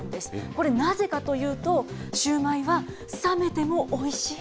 これ、なぜかというと、シューマイは冷めてもおいしい。